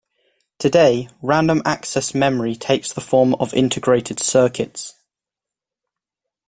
Today, random-access memory takes the form of integrated circuits.